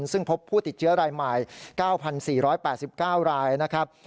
ซึ่งพบผู้ติดเชื้อรายใหม่๙๔๘๙รายนะครับ